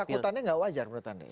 ketakutannya nggak wajar menurut anda